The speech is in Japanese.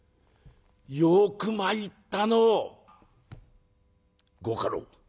よく参ったのう」。